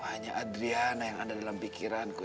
hanya adriana yang ada dalam pikiranku